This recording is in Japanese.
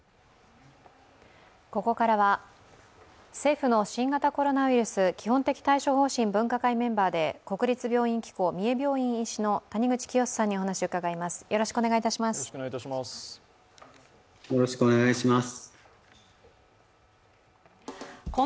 ここからは政府の新型コロナウイルス基本的対処方針分科会メンバーで国立病院機構三重病院医師の谷口清州さんにお話を伺います。